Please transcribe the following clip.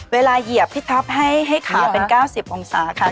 เวลาเหยียบพิทัพให้ขาเป็น๙๐องศาค่ะ